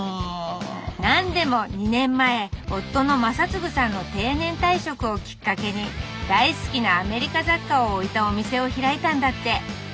何でも２年前夫の正次さんの定年退職をきっかけに大好きなアメリカ雑貨を置いたお店を開いたんだって。